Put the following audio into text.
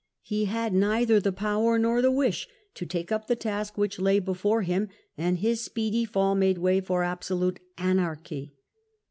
He had neither the power nor the wish to take up the task which lay before him, and his speedy fall made way for absolute anarchy.